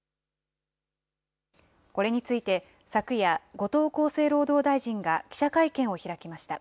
これについて昨夜、後藤厚生労働大臣が記者会見を開きました。